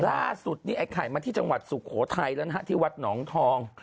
ล่าสุดนี่ไอ้ไข่มาที่จังหวัดสุโขทัยแล้วนะฮะที่วัดหนองทอง